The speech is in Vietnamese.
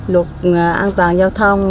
luật an toàn giao thông